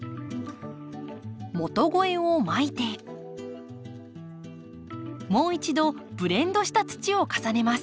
元肥をまいてもう一度ブレンドした土を重ねます。